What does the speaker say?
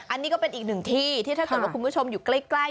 อันนี้ก็เป็นอีกหนึ่งที่ที่ถ้าเกิดว่าคุณผู้ชมอยู่ใกล้